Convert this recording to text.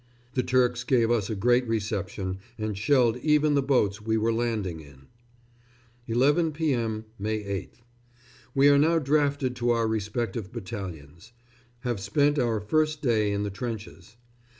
The Turks gave us a great reception, and shelled even the boats we were landing in. 11 p.m., May 8th. We are now drafted to our respective battalions. Have spent our first day in the trenches.